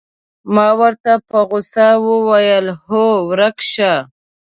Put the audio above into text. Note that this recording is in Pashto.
ما ورته په غوسه وویل: اوه، ورک شه.